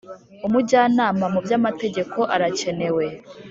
Umujyanama mu by’amategeko arakenewe